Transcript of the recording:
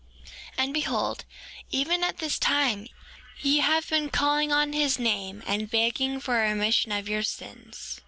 4:20 And behold, even at this time, ye have been calling on his name, and begging for a remission of your sins.